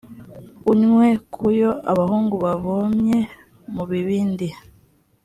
unywe ku yo abahungu bavomye mu bibindi